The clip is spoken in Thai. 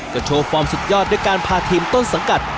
โชว์ฟอร์มสุดยอดด้วยการพาทีมต้นสังกัด